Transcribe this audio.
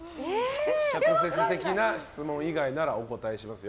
直接的な質問以外ならお答えしますよ。